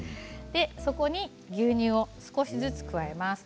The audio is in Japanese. そこに牛乳を少しずつ加えます。